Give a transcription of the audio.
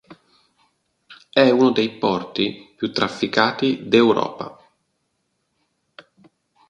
È uno dei porti più trafficati d'Europa.